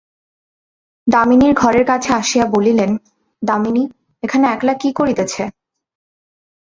দামিনীর ঘরের কাছে আসিয়া বলিলেন, দামিনী, এখানে একলা কী করিতেছে?